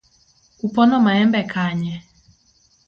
Upono maembe kanye.